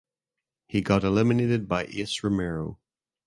He got eliminated by Ace Romero.